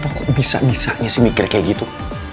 apa kok bisa bisanya sih mikir kayak gitu